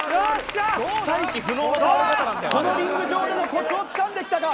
このリング上でのコツをつかんできたか。